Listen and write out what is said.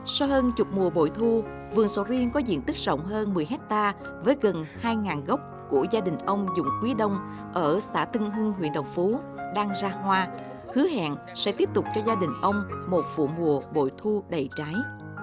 sau hơn chục mùa bội thu vườn sầu riêng có diện tích rộng hơn một mươi hectare với gần hai gốc của gia đình ông dụng quý đông ở xã tân hưng huyện đồng phú đang ra hoa hứa hẹn sẽ tiếp tục cho gia đình ông một vụ mùa bội thu đầy trái